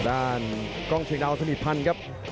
อ้างกล้องชิงดาวน์สมีทพันครับ